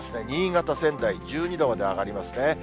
新潟、仙台１２度まで上がりますね。